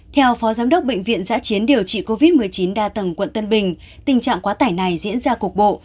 theo phó giám đốc bệnh viện giã chiến điều trị covid một mươi chín đa tầng quận tân bình tình trạng quá tải này diễn ra cục bộ